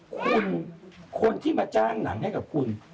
คุณคนที่มาจ้างหนังให้กับคุณ